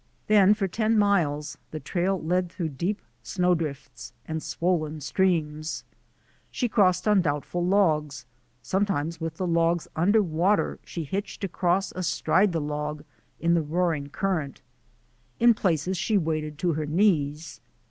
Then for ten miles the trail led through deep snow drifts and swollen streams. She crossed on doubtful logs; sometimes with the logs under water she hitched across astride the log in the roaring current. In places she waded to her knees.